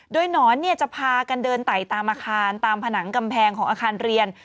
โดยหนอนจะพากันเดินไต่ตามอาคารตามผนังกำแพงของอาคารเรียน